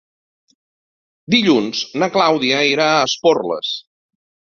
Dilluns na Clàudia irà a Esporles.